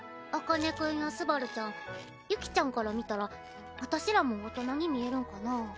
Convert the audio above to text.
茜君や昴ちゃんユキちゃんから見たら私らも大人に見えるんかな？